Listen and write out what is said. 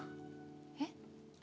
えっ？